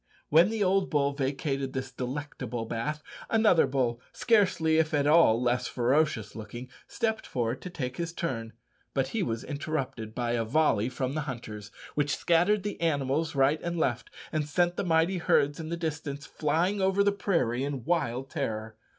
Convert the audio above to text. When the old bull vacated this delectable bath, another bull, scarcely if at all less ferocious looking, stepped forward to take his turn; but he was interrupted by a volley from the hunters, which scattered the animals right and left, and sent the mighty herds in the distance flying over the prairie in wild terror.